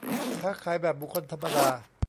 ค้าขายแบบบุคคลธรรมดา